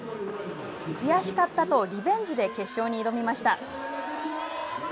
悔しかったとリベンジで決勝に挑みました。